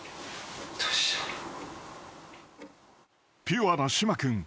［ピュアな島君。